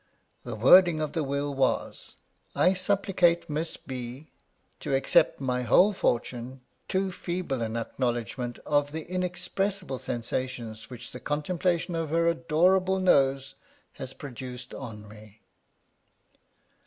The wording of the will was : I supplicate Miss B : to accept my whole fortune, too feeble an acknowledgment of the inexpressible sensations which the contemplation of her adorable nose has produced on me.